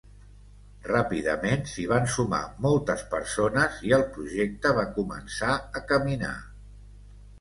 Ràpidament s’hi van sumar moltes persones i el projecte va començar a caminar.